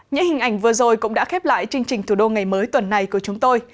những hình ảnh vừa rồi cũng đã khép lại chương trình thủ đô ngày mới tuần này của chúng tôi